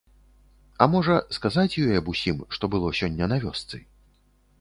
А можа, сказаць ёй аб усім, што было сёння на вёсцы?